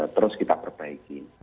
terus kita perbaiki